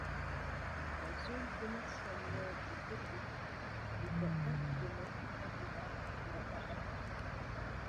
La zone commerciale nord de Caudry n'est qu'à un kilomètre environ du village.